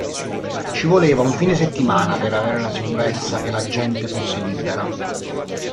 Ci voleva un fine settimana per avere la sicurezza che la gente fosse libera.